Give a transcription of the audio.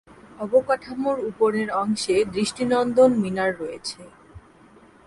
অবকাঠামোর উপরের অংশে দৃষ্টিনন্দন মিনার রয়েছে।